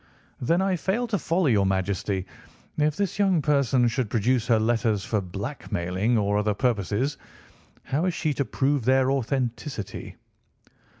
"Then I fail to follow your Majesty. If this young person should produce her letters for blackmailing or other purposes, how is she to prove their authenticity?"